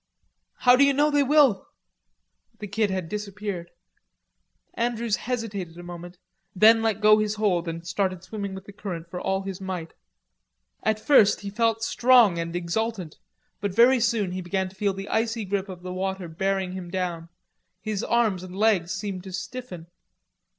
"How d'ye know they will?" The Kid had disappeared. Andrews hesitated a moment, then let go his hold and started swimming with the current for all his might. At first he felt strong and exultant, but very soon he began to feel the icy grip of the water bearing him down; his arms and legs seemed to stiffen.